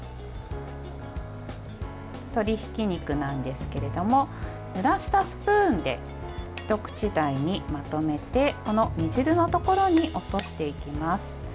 鶏ひき肉なんですけれどもぬらしたスプーンで一口大にまとめて煮汁のところに落としていきます。